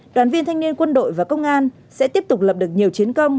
đoàn viên thanh niên quân đội và công an sẽ tiếp tục lập được nhiều chiến công